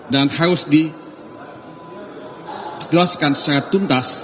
dan harus dijelaskan secara tuntas